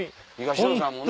東野さんもね